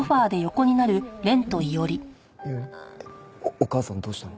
お義母さんどうしたの？